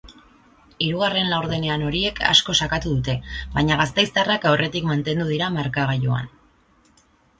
Hirugarren laurdenean horiek asko sakatu dute, baina gasteiztarrak aurretik mantendu dira markagailuan.